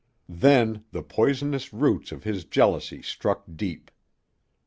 Then the poisonous roots of his jealousy struck deep.